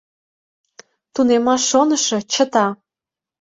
— Тунемаш шонышо чыта.